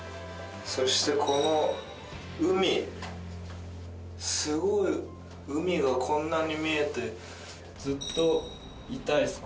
そしてこの海すごい海がこんなに見えてずっといたいです